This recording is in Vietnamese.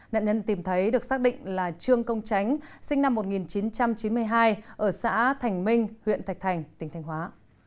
nạn nhân tìm thấy được xác định là trương công tránh sinh năm một nghìn chín trăm chín mươi hai ở xã thành minh huyện thạch thành tỉnh thành hóa